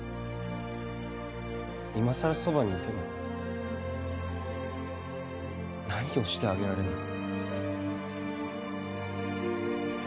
今さらそばにいても何をしてあげられるの